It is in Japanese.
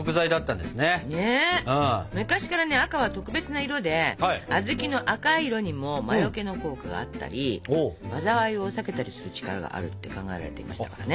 昔からね「赤」は特別な色で小豆の赤い色にも魔よけの効果があったり災いを避けたりする力があるって考えられていましたからね。